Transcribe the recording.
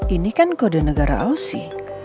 ini kan kode negara ausi